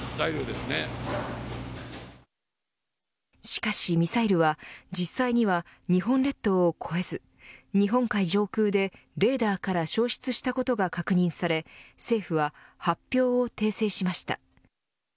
しかしミサイルは実際には日本列島を越えず日本海上空でレーダーから消失したことが確認され政府は発表を訂正しました。